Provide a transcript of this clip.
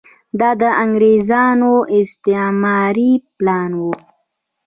دا د انګریزانو استعماري پلان و.